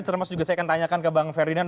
terus saya akan tanyakan ke bang ferdinand